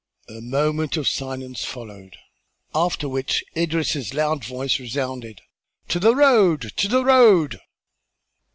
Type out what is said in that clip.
A moment of silence followed, after which Idris' loud voice resounded: "To the road! To the road!"